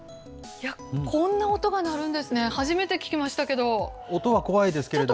いや、こんな音が鳴るんですね、初めて聞きましたけど。